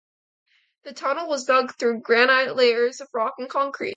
The tunnel was dug through granite layers of rock and concrete.